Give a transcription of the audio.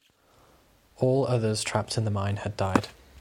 All others trapped in the mine had died.